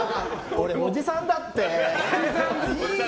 俺おじさんだって！